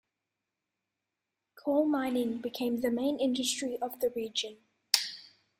Coal mining became the main industry of the region.